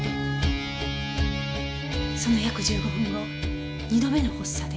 その約１５分後二度目の発作で。